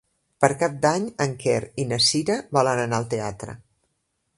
Per Cap d'Any en Quer i na Cira volen anar al teatre.